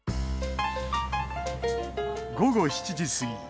午後７時過ぎ。